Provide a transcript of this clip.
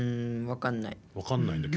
分かんないんだ。